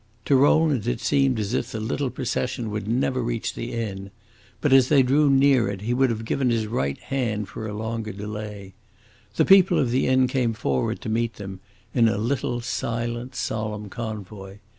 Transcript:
To Rowland it seemed as if the little procession would never reach the inn; but as they drew near it he would have given his right hand for a longer delay. The people of the inn came forward to meet them, in a little silent, solemn convoy.